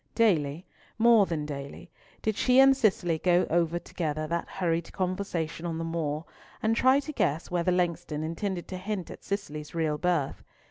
Daily—more than daily—did she and Cicely go over together that hurried conversation on the moor, and try to guess whether Langston intended to hint at Cicely's real birth.